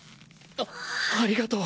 あっありがとう。